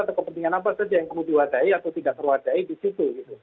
atau kepentingan apa saja yang perlu diwadahi atau tidak terwadahi di situ